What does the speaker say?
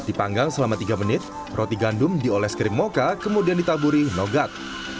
dipanggang selama tiga menit roti gandum dioles krim mocha kemudian ditaburi nogat